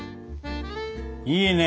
いいね。